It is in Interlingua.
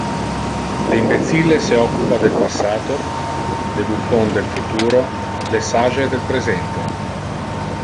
Le imbecille se occupa del passato, le buffon del futuro, le sage del presente.